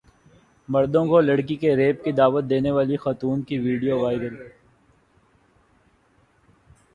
مردوں کو لڑکی کے ریپ کی دعوت دینے والی خاتون کی ویڈیو وائرل